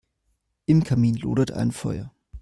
Im Kamin lodert ein Feuer.